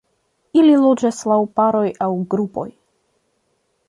Ili loĝas laŭ paroj aŭ grupoj.